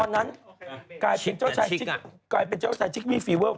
ตอนนั้นกลายเป็นเจ้าชายจิกมี่ฟีเวอร์